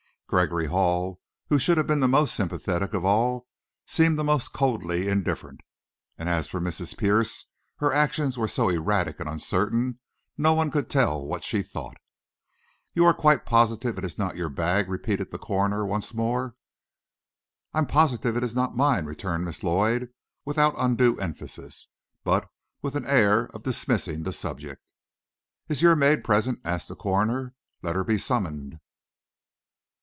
Gregory Hall, who should have been the most sympathetic of all, seemed the most coldly indifferent, and as for Mrs. Pierce, her actions were so erratic and uncertain, no one could tell what she thought. "You are quite positive it is not your bag?" repeated the coroner once more. "I'm positive it is not mine," returned Miss Lloyd, without undue emphasis, but with an air of dismissing the subject. "Is your maid present?" asked the coroner. "Let her be summoned."